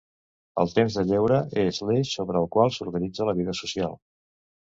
El temps de lleure és l'eix sobre el qual s'organitza la vida social.